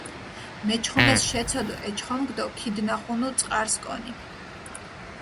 მეჩხომეს შეცოდჷ ე ჩხომქ დო ქიდნახუნუ წყარს კონი.